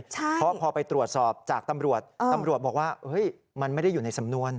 เพราะพอไปตรวจสอบจากตำรวจตำรวจบอกว่ามันไม่ได้อยู่ในสำนวน